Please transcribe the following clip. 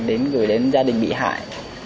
đến gửi đến gia đình bị hại